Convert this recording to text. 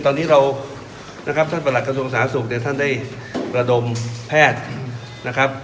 ตอนนี้เรานะครับท่านประหลักกระทรวงสาธารณสุขเนี่ยท่านได้ระดมแพทย์นะครับ